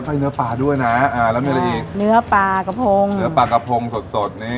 ให้เนื้อปลาด้วยนะอ่าแล้วมีอะไรอีกเนื้อปลากระพงเนื้อปลากระพงสดสดนี่